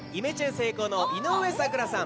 成功の井上咲楽さん